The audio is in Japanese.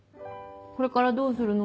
これからどうするの？